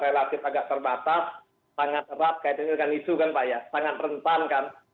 relatif agak terbatas sangat terat kayak itu kan isu pak ya sangat rentan kan